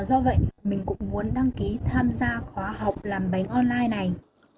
do vậy mình cũng muốn đăng ký tham gia khóa học làm bánh online này